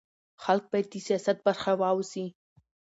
خلک باید د سیاست برخه واوسي